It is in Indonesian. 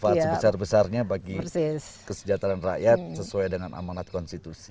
manfaat sebesar besarnya bagi kesejahteraan rakyat sesuai dengan amanat konstitusi